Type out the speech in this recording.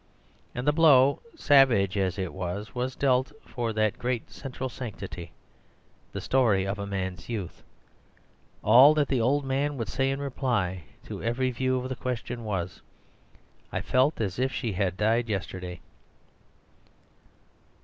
And the blow, savage as it was, was dealt for that great central sanctity the story of a man's youth. All that the old man would say in reply to every view of the question was, "I felt as if she had died yesterday."